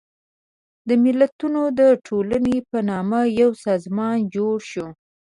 د ملتونو د ټولنې په نامه یو سازمان جوړ شو.